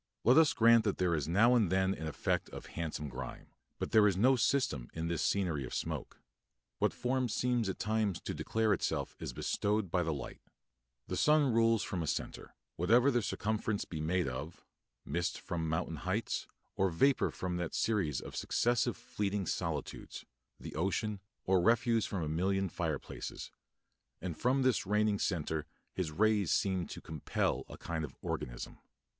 Let us grant that there is now and then an effect of handsome grime, but there is no system in this scenery of smoke. What form seems at times to declare itself is bestowed by the light. The sun rules from a centre, whatever the circumference be made of mist from mountain heights or vapour from that series of successive fleeting solitudes, the ocean, or refuse from a million fireplaces; and from this reigning centre his rays seem to compel a kind of organism.